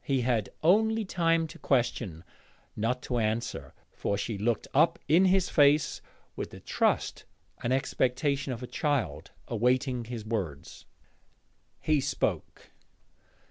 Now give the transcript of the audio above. He had only time to question, not to answer, for she looked up in his face with the trust and expectation of a child, awaiting his words. He spoke.